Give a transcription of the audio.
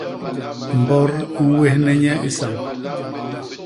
Mbot i ñwéhne nye i sañ.